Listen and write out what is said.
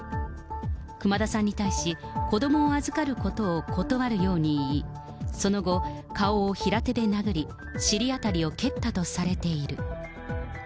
熊田さんに対し、子どもを預かることを断るように言い、その後、顔を平手で殴り、尻辺りを蹴ったとされている。